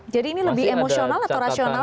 jadi ini lebih emosional atau rasional sih